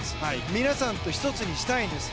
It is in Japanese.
皆さんと１つにしたいんです。